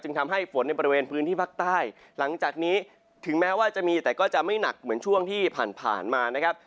ทำให้ฝนในบริเวณพื้นที่ภาคใต้หลังจากนี้ถึงแม้ว่าจะมีแต่ก็จะไม่หนักเหมือนช่วงที่ผ่านมานะครับ